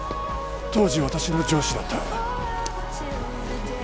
当時私の上司だった